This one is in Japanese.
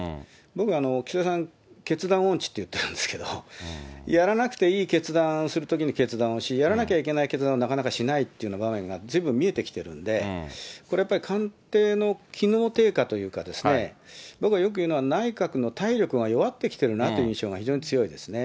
僕は岸田さん、決断音痴といってるんですけど、やらなくていい決断するときに決断をし、やらなきゃいけない決断をなかなかしないという場面がずいぶん見えてきてるんで、これやっぱり官邸の機能低下というかですね、僕はよく言うのが、内閣の体力が弱ってきてるなという印象がすごく強いですね。